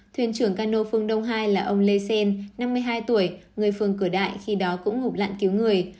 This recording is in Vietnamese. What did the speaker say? thuyền trưởng cano phương đông hai là ông lê xen năm mươi hai tuổi người phường cửa đại khi đó cũng ngụp lặn cứu người